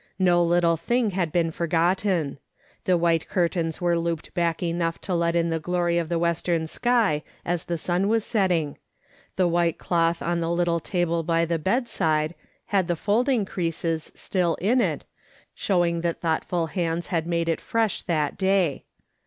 Xo little thing had been forgotten. The white curtains were looped back enough to let in the glory of the western sky as the sun was setting. The white cloth on the little table by the bedside had the folding creases still in it, showing that thoughtful hands had made it fresh that day.